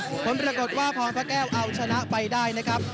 ผลปรากฏว่าพอพระแก้วเอาชนะไปได้นะครับ